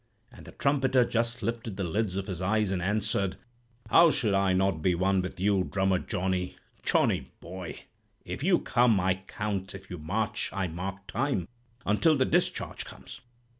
"And the trumpeter just lifted the lids of his eyes, and answered: 'How should I not be one with you, drummer Johnny—Johnny boy? If you come, I count; if you march, I mark time; until the discharge comes.'